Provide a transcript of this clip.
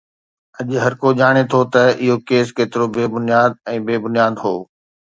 اڄ هرڪو ڄاڻي ٿو ته اهو ڪيس ڪيترو بي بنياد ۽ بي بنياد هو